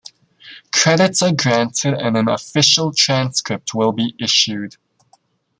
Credits are granted and an official transcript will be issued.